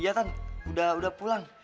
iya tan udah udah pulang